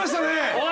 おい。